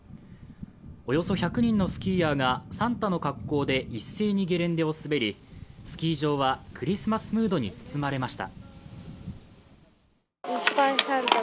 およそ１００人のスキーヤーがサンタの格好で一斉にゲレンデを滑り、スキー場はクリスマスムードに包まれました。